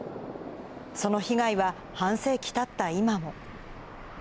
その被害は、半世紀たった今も。